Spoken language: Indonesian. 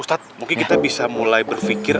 ustadz mungkin kita bisa mulai berpikir